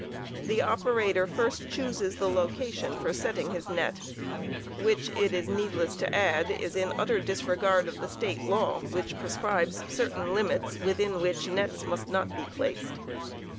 The operator first chooses the location for setting his net, which, it is needless to add, is in utter disregard of the State law, which prescribes certain limits within which nets must not be placed.